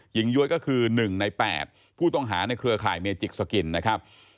ย้วยก็คือ๑ใน๘ผู้ต้องหาในเครือข่ายเมจิกสกินนะครับ